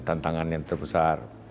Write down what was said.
tantangan yang terbesar